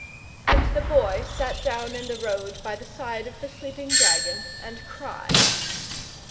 And the Boy sat down in the road by the side of the sleeping dragon, and cried.